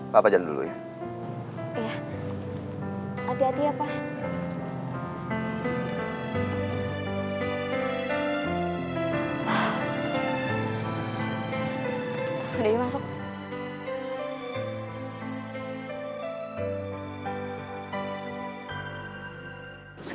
papa jalan dulu ya